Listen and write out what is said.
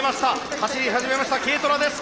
走り始めましたＫトラです。